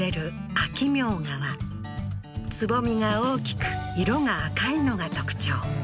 秋茗荷は蕾が大きく色が赤いのが特徴